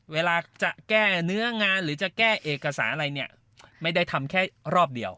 เวลาจะแก้เนื้องานหรือจะแก้เอกสารอะไรเนี่ยไม่ได้ทำแค่รอบเดียว